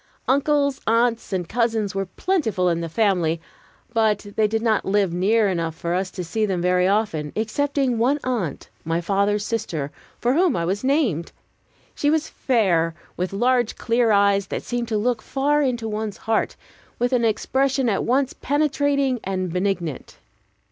Uncles, aunts, and cousins were plentiful in the family, but they did not live near enough for us to see them very often, excepting one aunt, my father's sister, for whom I was named. She was fair, with large, clear eyes that seemed to look far into one's heart, with an expression at once penetrating and benignant.